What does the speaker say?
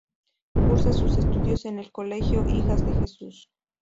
Cursa sus estudios en el Colegio Hijas de Jesús.